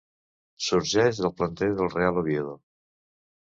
Sorgeix del planter del Real Oviedo.